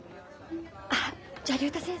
あらじゃあ竜太先生